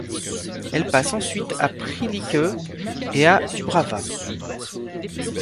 Elle passe ensuite à Prilike et à Dubrava.